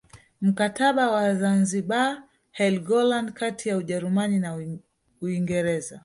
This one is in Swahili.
Mkataba wa Zanzibar Helgoland kati ya Ujerumani na Uingereza